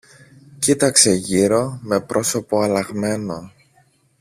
Κοίταξε γύρω με πρόσωπο αλλαγμένο.